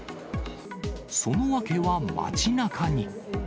その訳は街なかに。